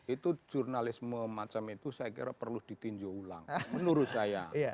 itu jurnalisme macam itu saya kira perlu ditinjau ulang menurut saya